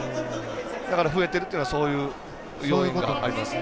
だから増えてるというのはそういう要因があります。